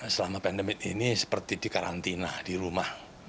selama pandemi ini seperti di karantina di rumah